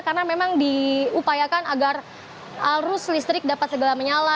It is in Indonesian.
karena memang diupayakan agar arus listrik dapat segala menyala